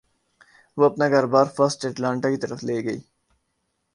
وہ اپنا کاروبار فرسٹ اٹلانٹا کی طرف لے گئی